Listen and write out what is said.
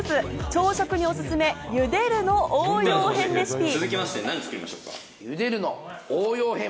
朝食におすすめ、茹でるの応用編レシピ。